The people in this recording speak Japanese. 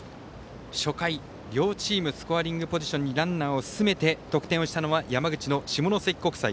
初回、両チームスコアリングポジションにランナーを進めて得点をしたのは山口の下関国際。